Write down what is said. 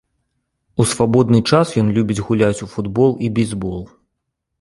У свабодны час ён любіць гуляць у футбол і бейсбол.